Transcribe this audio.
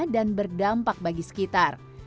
dan berdampak bagi sekitar